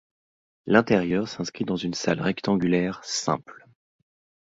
L'intérieur s'inscrit dans une salle rectangulaire simple.